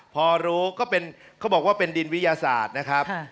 พอรู้ก็เป็นเขาบอกว่าเป็นดินวิทยาศาสตร์นะครับ